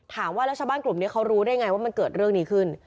ถามว่าแล้วชาวบ้านกลุ่มนี้เขารู้ได้ไงว่ามันเกิดเรื่องนี้ขึ้น